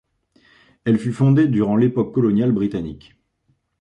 Elle fut fondée durant l'époque coloniale britannique.